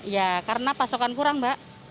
ya karena pasokan kurang mbak